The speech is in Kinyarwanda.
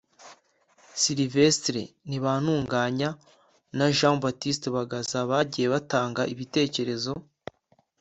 Sylvestre Ntibantunganya na Jean Baptiste Bagaza bagiye batanga ibitekerezo